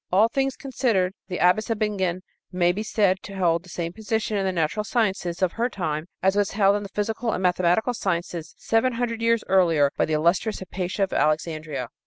All things considered, the Abbess of Bingen may be said to hold the same position in the natural sciences of her time as was held in the physical and mathematical sciences seven hundred years earlier by the illustrious Hypatia of Alexandria.